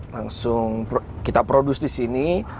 langsung kita produs di sini